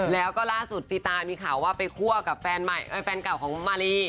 แล้วก็ล่าสุดจีตามีข่าวว่าไปคั่วกับแฟนเก่าของมารี